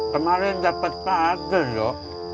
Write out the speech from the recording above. kemarin dapet pak agel loh